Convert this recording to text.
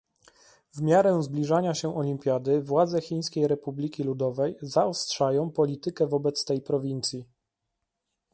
W miarę zbliżania się olimpiady władze Chińskiej Republiki Ludowej zaostrzają politykę wobec tej prowincji